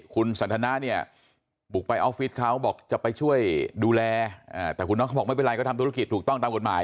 คุณสันทนาเนี่ยบุกไปออฟฟิศเขาบอกจะไปช่วยดูแลแต่คุณน้องไม่ไปไหลก็ทำธุรกิจถูกต้อง